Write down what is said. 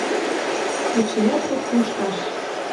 Эчеӓт пыт пушташ».